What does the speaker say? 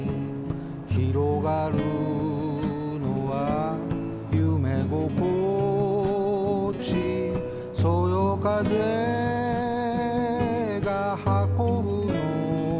「ひろがるのは夢心地」「そよ風が運ぶのは」